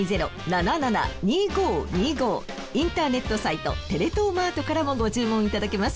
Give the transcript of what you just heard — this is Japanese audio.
インターネットサイトテレ東マートからもご注文いただけます。